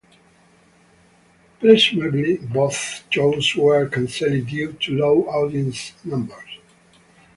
Presumably, both shows were cancelled due to low audience numbers.